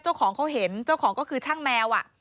เจ้าของเขาเห็นเจ้าของก็คือช่างแมว